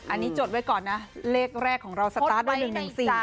อันนี้จดไว้ก่อนนะเลขแรกของเราสตาร์ทไว้๑๑๔